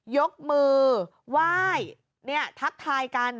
ยกมือว่ายเนี่ยทักทายกัน